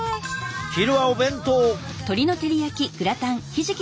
昼はお弁当。